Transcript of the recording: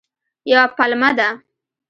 یوه پلمه ده.